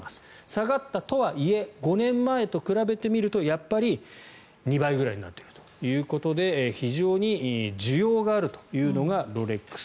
下がったとはいえ５年前と比べてみるとやっぱり２倍くらいになっているということで非常に需要があるというのがロレックス。